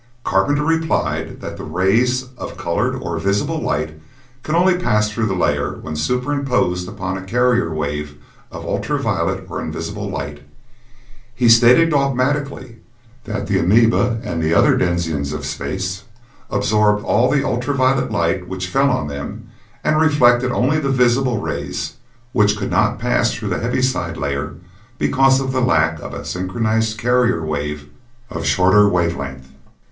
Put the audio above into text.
Carpenter replied that the rays of colored or visible light could only pass through the layer when superimposed upon a carrier wave of ultra violet or invisible light. He stated dogmatically that the amoeba and the other denizens of space absorbed all the ultra violet light which fell on them and reflected only the visible rays which could not pass through the heaviside layer because of the lack of a synchronized carrier wave of shorter wave length.